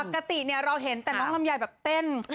ปกติเนี่ยเราเห็นแต่ลอร่ำยายแบบเต้น